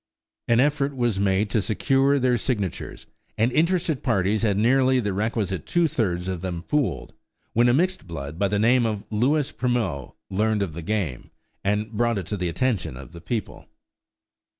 An effort was made to secure their signatures, and interested parties had nearly the requisite two thirds of them fooled, when a mixed blood by the name of Louis Primeau learned of the game, and brought it to the attention of the people.